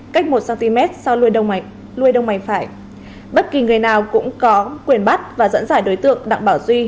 cách một cm sau lùi đông mảnh phải bất kỳ người nào cũng có quyền bắt và dẫn dải đối tượng đặng bảo duy